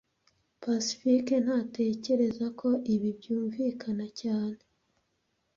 Pacifique ntatekereza ko ibi byumvikana cyane